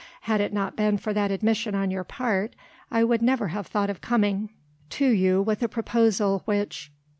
"Had it not been for that admission on your part, I would never have thought of coming to you with a proposal which...."